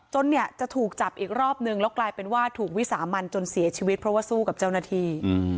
เนี่ยจะถูกจับอีกรอบนึงแล้วกลายเป็นว่าถูกวิสามันจนเสียชีวิตเพราะว่าสู้กับเจ้าหน้าที่